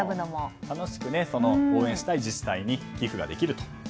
楽しく応援したい自治体に寄付ができると。